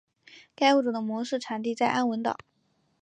该物种的模式产地在安汶岛。